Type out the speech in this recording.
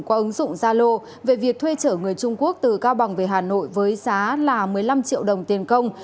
qua ứng dụng zalo về việc thuê trở người trung quốc từ cao bằng về hà nội với giá là một mươi năm triệu đồng tiền công